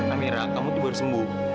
amira kamu tuh baru sembuh